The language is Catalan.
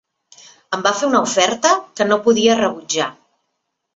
Em va fer una oferta que no podia rebutjar.